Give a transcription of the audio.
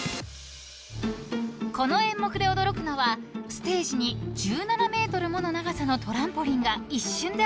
［この演目で驚くのはステージに１７ｍもの長さのトランポリンが一瞬で現れること］